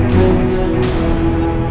saya selalu ganjar